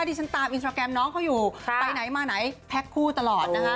ที่ฉันตามอินสตราแกรมน้องเขาอยู่ไปไหนมาไหนแพ็คคู่ตลอดนะคะ